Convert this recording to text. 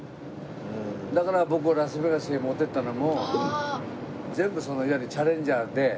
だから僕をラスベガスに持っていったのも全部いわゆるチャレンジャーで。